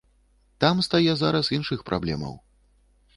Там стае зараз іншых праблемаў.